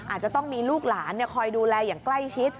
อาจจะต้องมีลูกหลานคอยดูแลอย่างใกล้ชิด